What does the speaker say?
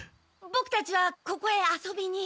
ボクたちはここへ遊びに。